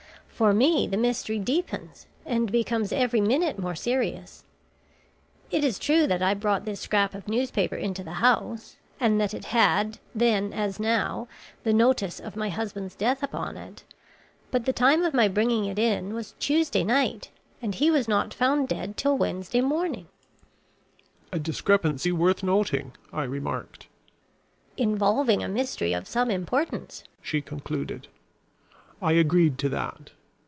"For me the mystery deepens, and becomes every minute more serious. It is true that I brought this scrap of newspaper into the house, and that it had, then as now, the notice of my husband's death upon it, but the time of my bringing it in was Tuesday night, and he was not found dead till Wednesday morning." "A discrepancy worth noting," I remarked. "Involving a mystery of some importance," she concluded. I agreed to that.